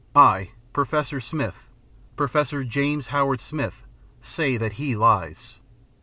I, Professor Smith, Professor James Howard Smith, say that he lies.